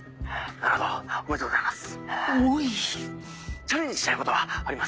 なるほどおめでとうございます。